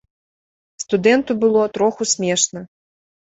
Студэнту было троху смешна.